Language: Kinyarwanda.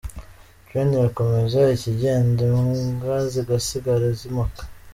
Train irakomeza ikajyenda imbwa zigasigara zimoka !